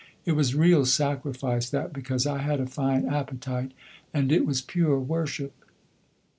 It was real sacrifice that, because I had a fine appetite, and it was pure worship.